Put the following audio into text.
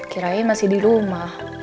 kirain masih di rumah